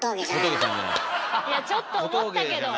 いやちょっと思ったけど！